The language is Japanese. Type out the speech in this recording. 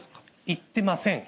言ってません。